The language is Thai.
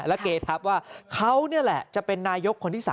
และเกทับว่าเขานี่แหละจะเป็นนายกคนที่๓